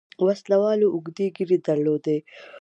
وسله والو اوږدې ږيرې درلودې.